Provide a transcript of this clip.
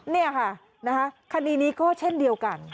นี่ค่ะคดีนี้ก็เช่นเดียวกัน